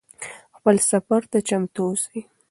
خپل سفر ته چمتو اوسئ.